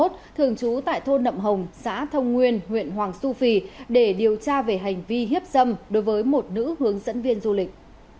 thường trú tại thôn nậm hồng xã thông nguyên huyện hoàng su phi để điều tra về hành vi hiếp dâm đối với một nữ hướng dẫn viên du lịch